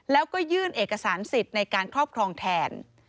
แล้วก็ยื่นเอกสารสิทธิ์ในการครอบครองแทน